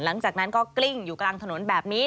หลังจากนั้นก็กลิ้งอยู่กลางถนนแบบนี้